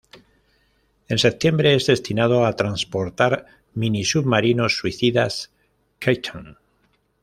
En septiembre es destinado a transportar minisubmarinos suicidas "Kaiten".